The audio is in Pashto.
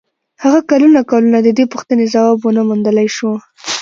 هغه کلونه کلونه د دې پوښتنې ځواب و نه موندلای شو.